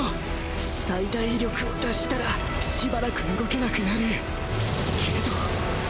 最大威力を出したらしばらく動けなくなるけど！